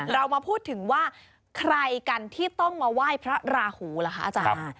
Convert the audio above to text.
เรามาพูดถึงว่าใครกันที่ต้องมาไหว้พระราหูล่ะคะอาจารย์